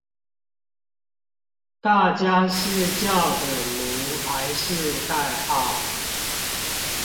大家是叫本名還是代號